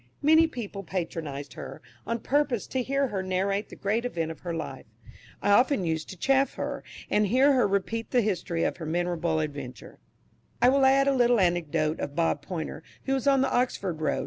Many people patronised her, on purpose to hear her narrate the great event of her life. I often used to chaff her, and hear her repeat the history of her memorable adventure. I will add a little anecdote of Bob Pointer, who was on the Oxford road.